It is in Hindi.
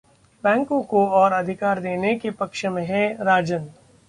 बैंकों को और अधिकार देने के पक्ष में हैं राजन